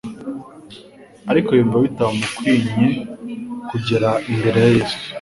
Ariko yumva bitamukwinye kugera imbere ya Yesu,